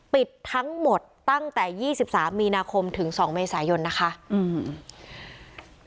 ปิดทั้งหมดตั้งแต่ยี่สิบสามมีนาคมถึงสองเมษายนนะคะอืม